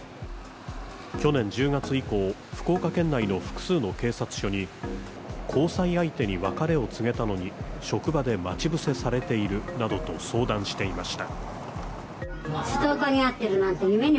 去年１０月以降、福岡県内の複数の警察署に交際相手に別れを告げたのに職場で待ち伏せされているなどと相談していました。